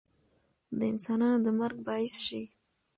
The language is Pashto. د انسانانو د مرګ باعث شي